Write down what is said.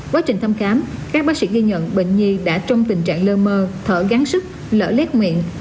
quá trình thăm khám các bác sĩ ghi nhận bệnh nhi đã trong tình trạng lơ mơ thở gắn sức lỡ lét miệng